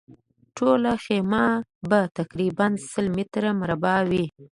ټوله خیمه به تقریباً سل متره مربع وي.